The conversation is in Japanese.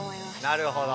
なるほど。